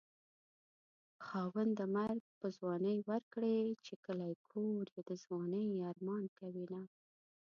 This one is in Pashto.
خاونده مرګ په ځوانۍ ورکړې چې کلی کور يې د ځوانۍ ارمان کوينه